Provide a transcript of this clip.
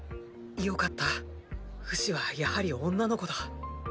よかったフシはやはり女の子だ！